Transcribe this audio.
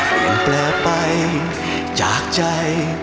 เปลี่ยนแปลงไปจากใจ